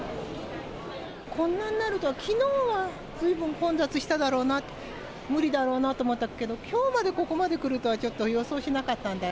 こんなになるとは、きのうはずいぶん混雑しただろうな、無理だろうなと思ったけど、きょうまで、ここまで来るとはちょっと予想しなかったんで。